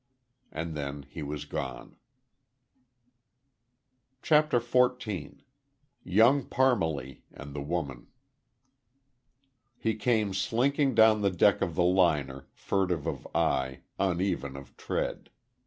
And then he was gone. CHAPTER FOURTEEN. YOUNG PARMALEE AND THE WOMAN. He came slinking down the deck of the liner, furtive of eye, uneven of tread.